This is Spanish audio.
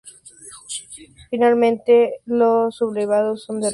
Finalmente los sublevados son derrotados.